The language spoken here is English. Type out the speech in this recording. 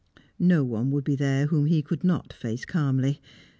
No one would be there whom he could not face calmly.